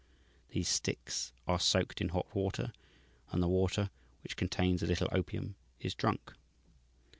These sticks are soaked in hot water, and the water, which contains a little opium, is drunk.